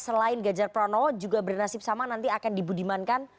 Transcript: selain ganjar pranowo juga bernasib sama nanti akan dibudimankan